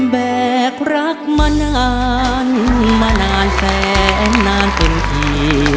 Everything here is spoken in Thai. แบกรักมานานมานานแสนนานเต็มที